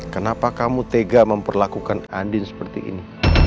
kenapa kamu tega memperlakukan adil seperti ini